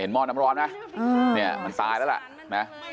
เห็นหม้อนน้ำร้อนไหมมันตายแล้วล่ะ